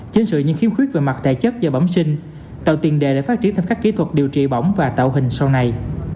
chứng sự những khiếm khuyết về mặt thể chất và bóng sinh tạo tiền đề để phát triển thêm các kỹ thuật điều trị bỏng và tạo hình sau này